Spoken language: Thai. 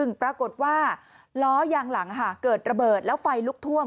ปรากฏว่าล้อยางหลังเกิดระเบิดแล้วไฟลุกท่วม